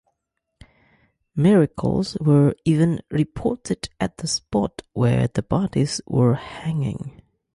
Miracles were even reported at the spot where the bodies were hanging.